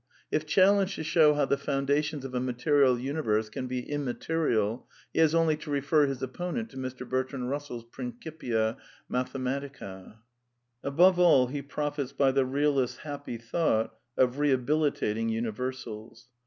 If challenged to show how the foun dations of a material universe can be immaterial, he has only to refer his opponent to Mr. Bertrand KusseU's Prin cipia Mathematical ^ Above all, he profits by the realist's happy thought of re yj habilitating imiversals.